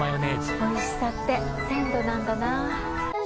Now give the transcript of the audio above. おいしさって鮮度なんだな。